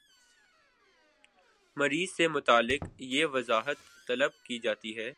مریض سے متعلق یہ وضاحت طلب کی جاتی ہے